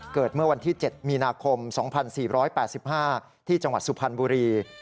เกิดเมื่อวันที่๗มีนาคม๒๔๘๕ที่จังหวัดสุพรรณบุรี